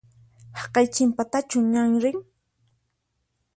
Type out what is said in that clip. Haqay chinpatachu ñan rin?